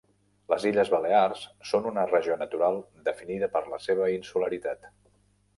Les illes Balears són una regió natural definida per la seva insularitat.